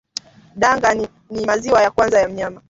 Danga ni maziwa ya kwanza ya mnyama